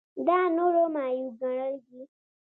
دا نورو معیوب ګڼل دي.